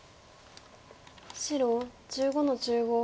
白１５の十五切り。